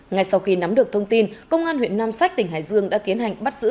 ngay sau khi nắm được thông tin công an huyện nam sách tỉnh hải dương đã tiến hành bắt giữ